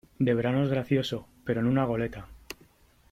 de verano es gracioso , pero en una goleta ,